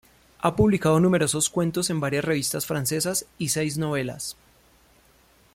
Ha publicado numerosos cuentos en varias revistas francesas, y seis novelas.